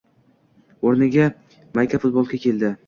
Oʻrniga mayka-futbolka keldi